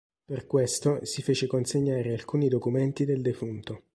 Per questo si fece consegnare alcuni documenti del defunto.